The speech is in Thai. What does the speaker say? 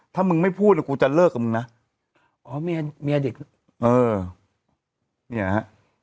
ถ้ามึงไม่พูดกูจะเลิกกับมึงนะอ๋อเมียเมียเด็กเออเนี่ยนะฮะ